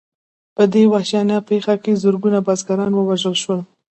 په دې وحشیانه پېښه کې زرګونه بزګران ووژل شول.